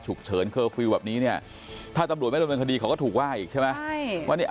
เฉินเคอร์ฟิลล์แบบนี้เนี่ยถ้าตำรวจไม่ดำเนินคดีเขาก็ถูกว่าอีกใช่ไหม